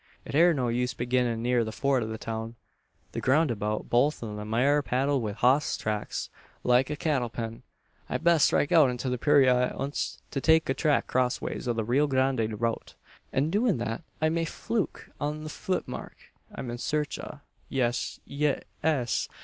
"It air no use beginnin' neer the Fort or the town. The groun' abeout both on 'em air paddled wi' hoss tracks like a cattle pen. I'd best strike out into the purayra at onst, an take a track crossways o' the Rio Grande route. By doin' thet I may fluke on the futmark I'm in search o'. Yes ye es!